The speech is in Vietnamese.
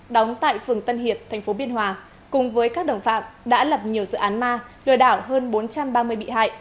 đóng tại phường tân hiệp tp biên hòa cùng với các đồng phạm đã lập nhiều dự án ma lừa đảo hơn bốn trăm ba mươi bị hại